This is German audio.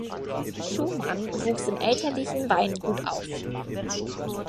Schumann wuchs im elterlichen Weingut auf.